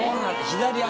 左足？